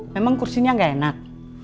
memang kursinya gak enak